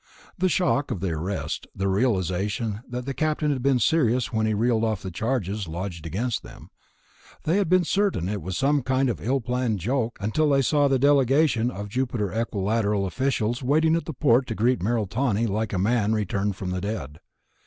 The shock of the arrest, the realization that the Captain had been serious when he reeled off the charges lodged against them ... they had been certain it was some kind of ill planned joke until they saw the delegation of Jupiter Equilateral officials waiting at the port to greet Merrill Tawney like a man returned from the dead.